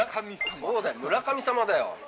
そうだよ、村神様だよ。